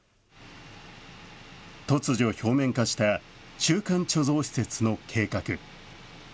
突如表面化した中間貯蔵施設の計画。